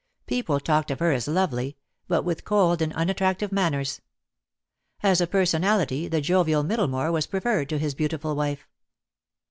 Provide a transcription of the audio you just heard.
People talked of her as lovely, but with cold and unattractive manners. As a personality the jovial Middlemore was preferred to his beautiful wife.